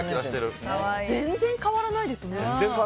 全然変わらないですね。